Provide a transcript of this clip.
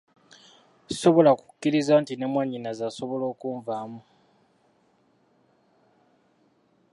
Sisobola kukkiriza nti ne mwannyinaze asobola okunvaamu.